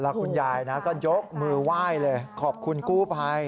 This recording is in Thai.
แล้วคุณยายนะก็ยกมือไหว้เลยขอบคุณกู้ภัย